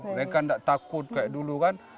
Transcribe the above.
mereka tidak takut kayak dulu kan